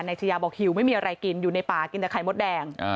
ชายาบอกหิวไม่มีอะไรกินอยู่ในป่ากินแต่ไข่มดแดง